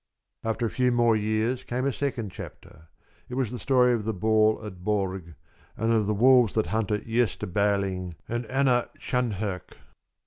After a few more years came a second chapter. It was the story of the Ball at Borg and of the wolves that hunted Gösta Berling and Anna Stjernhök.